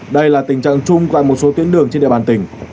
đây là tình trạng chung tại một số tuyến đường trên địa bàn tỉnh